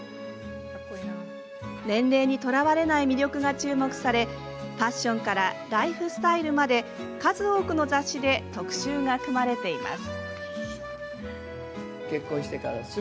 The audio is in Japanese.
年齢にとらわれない魅力が注目されファッションからライフスタイルまで数多くの雑誌で特集が組まれています。